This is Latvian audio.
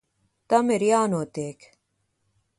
Tam ir jānotiek.